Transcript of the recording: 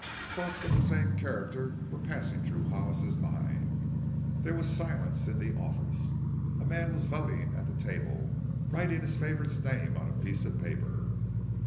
Thoughts of the same character were passing through Hollis's mind. There was silence in the office. A man was voting at the table writing his favorite's name on a piece of paper.